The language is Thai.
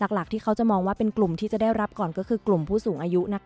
หลักที่เขาจะมองว่าเป็นกลุ่มที่จะได้รับก่อนก็คือกลุ่มผู้สูงอายุ